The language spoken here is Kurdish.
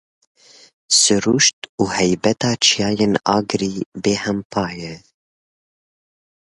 Siruşt û heybeta çiyayê Agiriyê bêhempa ye.